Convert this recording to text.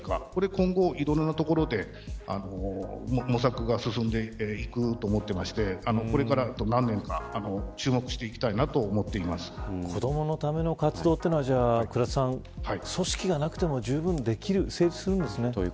今後、いろいろなところで模索が進んでいくと思っていましてこれからあと何年か注目していきたいな子どものための活動は組織がなくてもじゅうぶんできる成立するんですね。